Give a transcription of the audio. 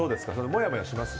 もやもやします？